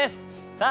さあ